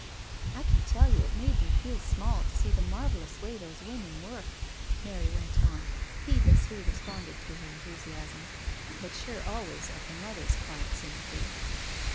" I can tell you it made me feel small to see the marvellous way those women work," Mary went on, heedless who responded to her enthusiasm, but sure always of her mother's quiet sympathy.